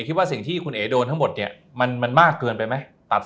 คิดว่าสิ่งที่คุณเอ๋โดนทั้งหมดเนี่ยมันมากเกินไปไหม